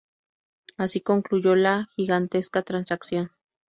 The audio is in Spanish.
Así concluyó la gigantesca transacción.